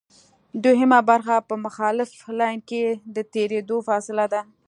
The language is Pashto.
دوهمه برخه په مخالف لین کې د تېرېدو فاصله ده